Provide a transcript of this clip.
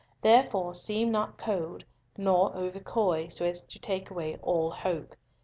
Therefore seem not cold nor over coy, so as to take away all hope.